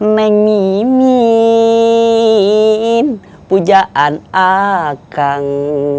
neng mimin pujaan akang